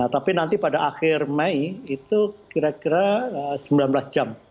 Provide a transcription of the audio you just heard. tapi nanti pada akhir mei itu kira kira sembilan belas jam